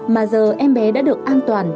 mà giờ em bé đã được an toàn